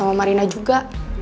sama marina juga